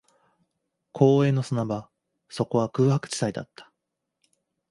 公園の砂場、そこは空白地帯だった